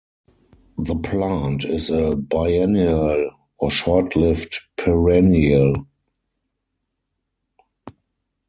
The plant is a biennial or short-lived perennial.